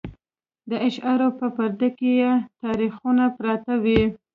د اشعارو په پردو کې یې تاریخونه پراته وي.